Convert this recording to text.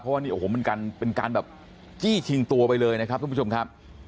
เพราะว่านี่โอ้โหมันเป็นการแบบจี้ชิงตัวไปเลยนะครับทุกผู้ชมครับ